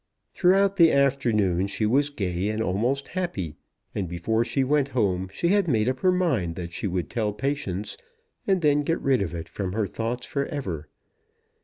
Throughout the afternoon she was gay and almost happy, and before she went home she had made up her mind that she would tell Patience, and then get rid of it from her thoughts for ever.